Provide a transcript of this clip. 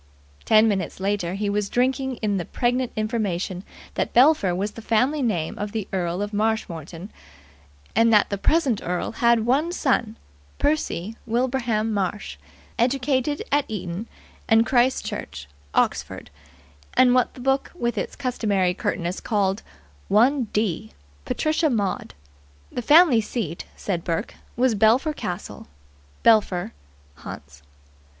Ten minutes later he was drinking in the pregnant information that Belpher was the family name of the Earl of Marshmoreton, and that the present earl had one son, Percy Wilbraham Marsh, educ. Eton and Christ Church, Oxford, and what the book with its customary curtness called "one d." Patricia Maud. The family seat, said Burke, was Belpher Castle, Belpher, Hants.